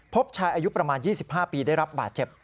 พบชายอายุประมาณ๒๕ปีได้รับบาดเจ็บ